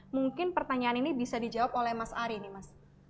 mungkin pertanyaan ini bisa dijawab oleh mas ari nih mas